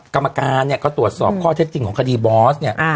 กรรมการเนี่ยก็ตรวจสอบข้อเท็จจริงของคดีบอสเนี่ย